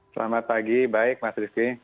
selamat pagi baik mas rizky